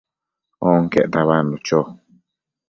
onquec tabadnu cho